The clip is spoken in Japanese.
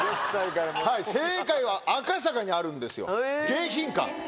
正解は赤坂にあるんですよ。